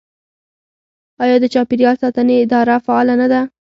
آیا د چاپیریال ساتنې اداره فعاله نه ده؟